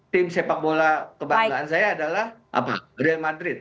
tim sepak bola kebanggaan saya adalah real madrid